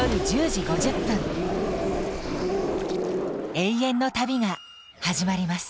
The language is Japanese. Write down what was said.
永遠の旅がはじまります。